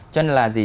cho nên là gì